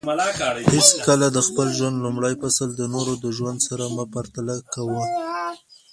حیڅکله د خپل ژوند لومړی فصل د نورو د ژوند سره مه پرتله کوه